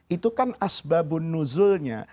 itu kan asbabun nuzulnya